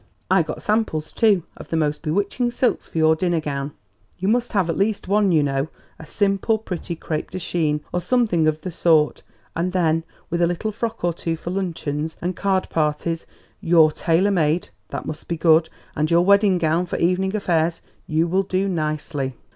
I got samples, too, of the most bewitching silks for your dinner gown you must have at least one, you know, a simple, pretty crêpe de chine or something of the sort; and then with a little frock or two for luncheons and card parties, your tailor made that must be good and your wedding gown for evening affairs you will do nicely."